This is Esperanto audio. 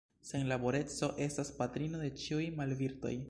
Senlaboreco estas patrino de ĉiuj malvirtoj.